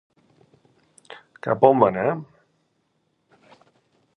Cap on va anar?